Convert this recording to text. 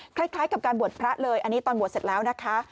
คล้ายกับการบวชพระเลยอันนี้ตอนบวชเสร็จแล้วนะคะ